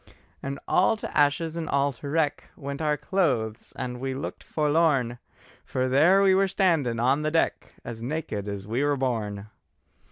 And all to ashes and all to wreck Went our clothes, and we looked forlorn, For there we were standing on the deck As naked as we were born!